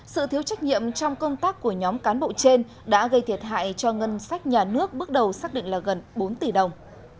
sự thiếu trách nhiệm trong công tác của nhóm cán bộ trên đã gây thiệt hại cho ngân sách nhà nước bước đầu xác định là gần bốn tỷ đồng